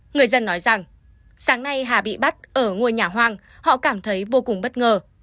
người dân nói rằng sáng nay hà bị bắt ở ngôi nhà hoang họ cảm thấy vô cùng bất ngờ